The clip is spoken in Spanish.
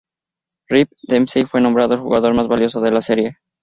Rick Dempsey fue nombrado el jugador más valioso de la serie.